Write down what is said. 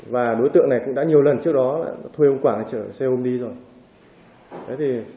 và đối tượng này cũng đã nhiều lần trước đó lại thuê ông quảng chở xe ôm đi rồi